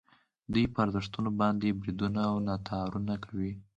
دوی پر ارزښتونو باندې بریدونه او ناتارونه کوي.